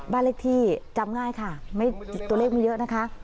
บ้านเลขที่จำง่ายค่ะตัวเลขไม่เยอะนะคะ